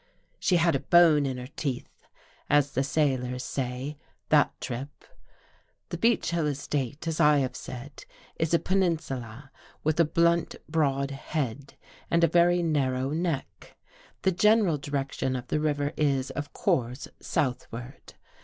'' She had a bone in her teeth," as the sailors say, that trip. The Beech Hill estate, as I have said, is a penin sula with a blunt, broad head and a very narrow neck. The general direction of the river is, of course, southward.